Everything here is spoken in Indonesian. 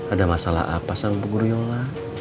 ada masalah apa sama bu guruyola